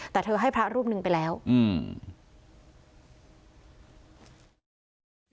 แต่เธอให้พระรูปหนึ่งไปแล้วอืม